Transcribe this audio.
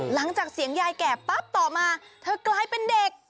หลังจากเสียงยายแก่ปั๊บต่อมาเธอกลายเป็นเด็ก